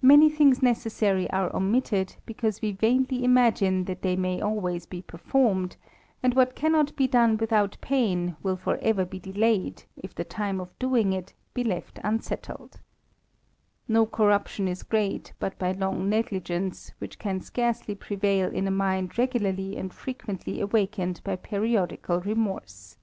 Many things necessary are ted, because we vainly imagine that they may be always )rmed ; and what cannot be done without pain will for be delayed, if the time of doing it be left unsettled, corruption is great but by long negligence, which can :ely prevail in a mind regularly and frequently awakened >eriodical remorse.